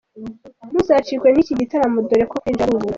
Ntuzacikwe n'iki gitaramo dore ko kwinjira ari ubuntu.